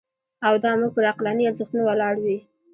او دا موږ پر عقلاني ارزښتونو ولاړ وي.